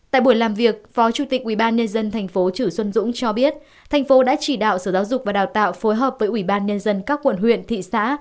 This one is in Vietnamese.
tại buổi làm việc phó chủ tịch ubnd tp chử xuân dũng cho biết thành phố đã chỉ đạo sở giáo dục và đào tạo phối hợp với ubnd các quận huyện thị xã